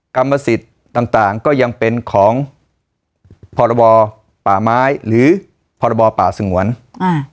กรรมสิทธิ์ต่างต่างก็ยังเป็นของพรบป่าไม้หรือพรบป่าสงวนอ่า